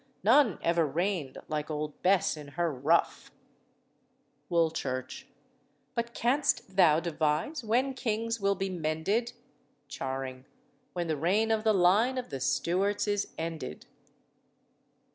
None ever reigned like old Bess in her ruff. WOOLCHURCH. But can'st thou devise when kings will be mended? CHARING. When the reign of the line of the Stuarts is ended."